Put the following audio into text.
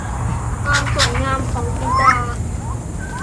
ความสวยงามของสีดา